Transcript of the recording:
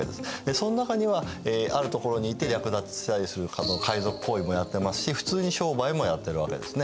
その中にはある所に行って略奪したりする海賊行為もやってますし普通に商売もやってるわけですね。